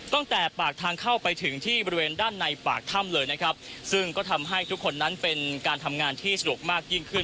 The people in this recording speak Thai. ตั้งแต่ปากทางเข้าไปถึงที่บริเวณด้านในปากถ้ำเลยนะครับซึ่งก็ทำให้ทุกคนนั้นเป็นการทำงานที่สะดวกมากยิ่งขึ้น